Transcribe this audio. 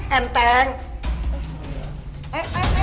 eh eh eh tunggu lah